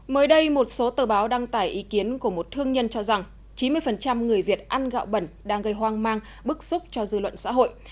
mới đây một số tờ báo đăng tải ý kiến của một thương nhân cho rằng chín mươi người việt ăn gạo bẩn đang gây hoang mang bức xúc cho dư luận xã hội